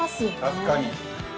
確かに。